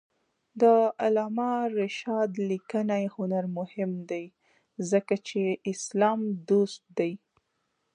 د علامه رشاد لیکنی هنر مهم دی ځکه چې اسلام دوست دی.